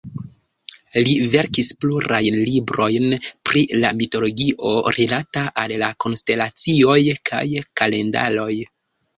Li verkis plurajn librojn pri la mitologio rilata al la konstelacioj kaj kalendaroj.